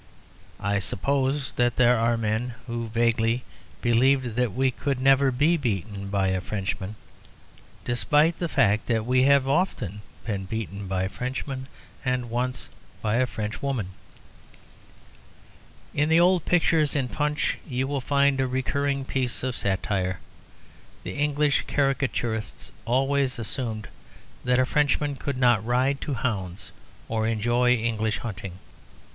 I suppose that there are men who vaguely believe that we could never be beaten by a Frenchman, despite the fact that we have often been beaten by Frenchmen, and once by a Frenchwoman. In the old pictures in Punch you will find a recurring piece of satire. The English caricaturists always assumed that a Frenchman could not ride to hounds or enjoy English hunting.